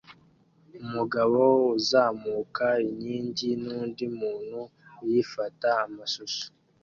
Umugabo uzamuka inkingi nundi muntu uyifata amashusho